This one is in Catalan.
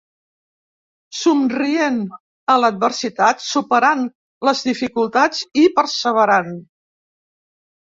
Somrient a l’adversitat, superant les dificultats i perseverant.